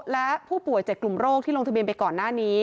และผู้ป่วย๗กลุ่มโรคที่ลงทะเบียนไปก่อนหน้านี้